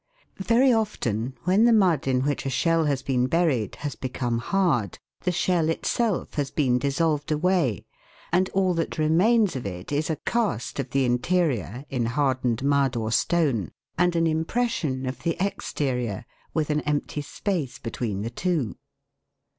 Very often when the mud in which a shell has been buried has become hard, the shell itself has been dissolved away, and all that remains of it is a cast of the interior in hardened mud or stone, and an impression of the exterior, with an empty space between the two.